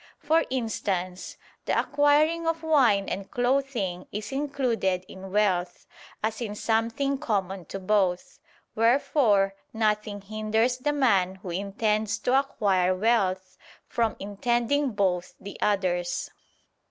For instance, the acquiring of wine and clothing is included in wealth, as in something common to both; wherefore nothing hinders the man who intends to acquire wealth, from intending both the others.